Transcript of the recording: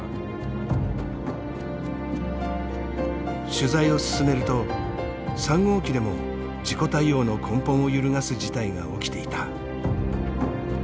取材を進めると３号機でも事故対応の根本を揺るがす事態が起きていた。